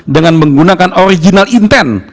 dengan menggunakan original intent